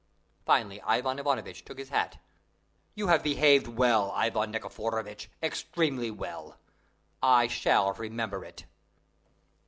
Finally Ivan Ivanovitch took his hat. "You have behaved well, Ivan Nikiforovitch, extremely well! I shall remember it."